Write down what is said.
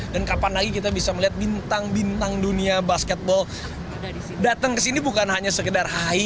dan kapan lagi kita bisa melihat bintang bintang dunia basketbol datang kesini bukan hanya sekedar hai